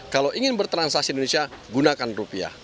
kalau ingin bertransaksi di indonesia gunakan rupiah